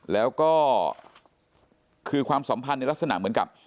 แล้วก็คือความสัมพันธ์ในลักษณะเหมือนกับ